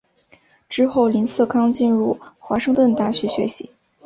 之后林瑟康进入华盛顿大学学习。